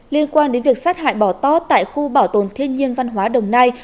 liên quan đến việc sát hại bỏ tót tại khu bảo tồn thiên nhiên văn hóa đồng nai